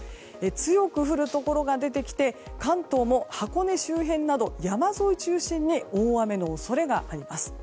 強く降るところが出てきて関東も箱根周辺など山沿い中心に大雨の恐れがあります。